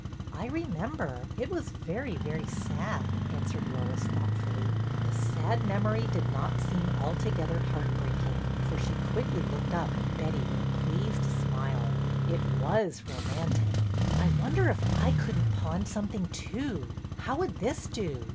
" I remember. It was very, very sad," an swered Lois, thoughtfully. The sad memory 174 BETTY BAIRD'S VENTURES did not seem altogether heart breaking, for she quickly looked up at Betty with a pleased smile. It was romantic ! I wonder if I could n't pawn something, too ? How would this do